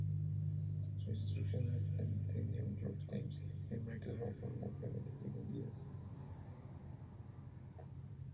Sus intrusiones en "The New York Times" y en Microsoft fueron ampliamente difundidas.